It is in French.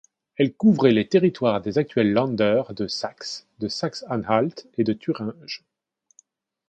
Elle couvrait les territoires des actuels Länders de Saxe, de Saxe-Anhalt et de Thuringe.